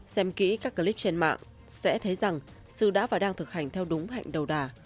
xem kỹ các clip trên mạng sẽ thấy rằng sư đã và đang thực hành theo đúng hạnh đầu đà